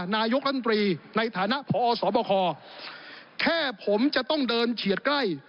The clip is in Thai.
นักพอสปคแค่ผมจะต้องเดินเฉียดใกล้